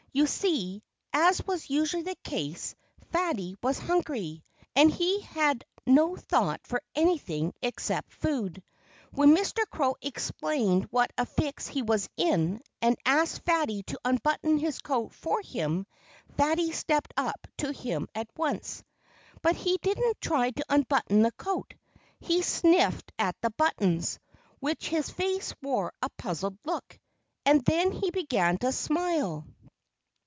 You see, as was usually the case, Fatty was hungry. And he had no thought for anything except food. When Mr. Crow explained what a fix he was in, and asked Fatty to unbutton his coat for him, Fatty stepped up to him at once. But he didn't try to unbutton the coat. He sniffed at the buttons, while his face wore a puzzled look. And then he began to smile.